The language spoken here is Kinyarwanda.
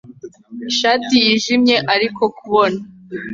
ishati yijimye arimo kubona